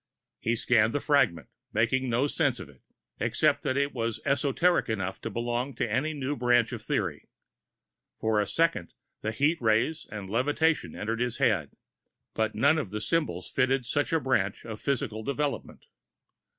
He scanned the fragment, making no sense of it, except that it was esoteric enough to belong to any new branch of theory. For a second, the heat rays and levitations entered his head but none of the symbols fitted such a branch of physical development.